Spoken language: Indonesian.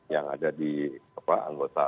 yang ada di anggota